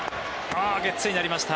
ゲッツーになりました。